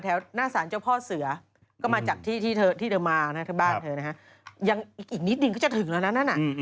หน้าสารเจ้าพ่อเสือก็มาจากที่ที่เธอมานะบ้านเธอนะฮะยังอีกนิดนึงก็จะถึงแล้วนะนั่นน่ะ